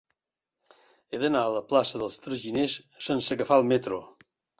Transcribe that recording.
He d'anar a la plaça dels Traginers sense agafar el metro.